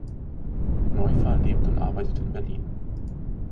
Neuffer lebt und arbeitet in Berlin.